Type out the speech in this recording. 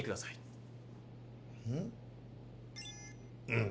うん。